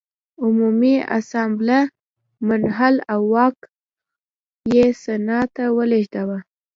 عمومي اسامبله منحل او واک یې سنا ته ولېږداوه.